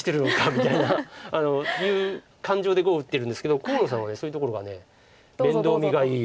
みたいな感情で碁を打ってるんですけど河野さんはそういうところが面倒見がいい。